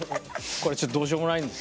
これちょっとどうしようもないんですけど。